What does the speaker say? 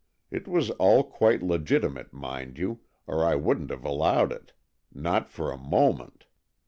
It was all quite legitimate, mind you, or I wouldn't have allowed it. Not for a moment.